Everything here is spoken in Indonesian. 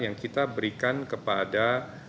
yang kita berikan kepada